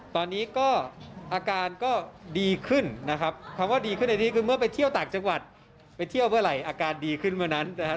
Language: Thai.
ตอนนี้ก็อาการก็ดีขึ้นนะครับคำว่าดีขึ้นในนี้คือเมื่อไปเที่ยวต่างจังหวัดไปเที่ยวเมื่อไหร่อาการดีขึ้นเมื่อนั้นนะครับ